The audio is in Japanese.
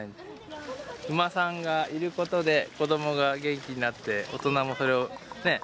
馬さんがいることで子どもが元気になって大人もそれをね